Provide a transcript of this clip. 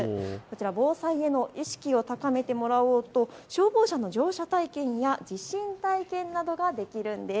防災への意識を高めてもらおうと消防車の乗車体験や地震体験などができるんです。